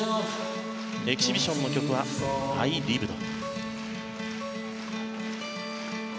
エキシビションの曲は「ＩＬｉｖｅｄ」。